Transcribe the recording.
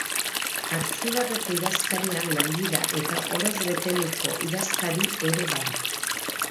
Artzibarreko idazkaria Longida eta Orotz-Beteluko idazkari ere bada.